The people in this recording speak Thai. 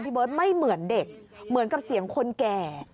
เบิร์ตไม่เหมือนเด็กเหมือนกับเสียงคนแก่